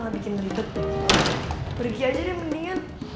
ah gue konstitusinya